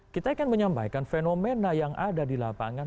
kita akan menyampaikan fenomena yang ada di lapangan